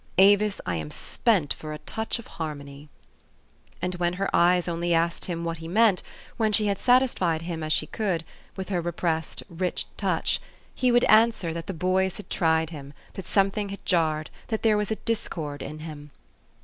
Avis, I am spent for a touch of harmony." And when her eyes only asked him what he meant, when she had satisfied him as she could, with her repressd, rich touch, he would answer that 246 THE STORY OF AVIS. the boys had tried him, that something had jarred, that there was a discord in him.